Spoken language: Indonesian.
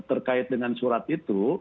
terkait dengan surat itu